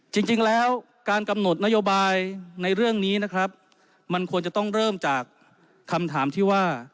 จริงแล้วการกำหนดนโยบายในเรื่องนี้นะครับมันควรจะต้องเริ่มจากคำถามที่ว่า